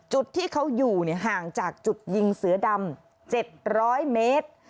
จุดที่เขาอยู่ห่างจากจุดยิงเสือดำ๗๐๐เมตร